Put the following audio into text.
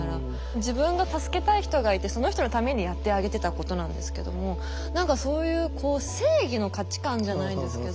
自分が助けたい人がいてその人のためにやってあげてたことなんですけども何かそういうこう正義の価値観じゃないですけど。